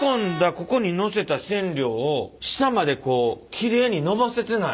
ここにのせた染料を下までこうきれいにのばせてない。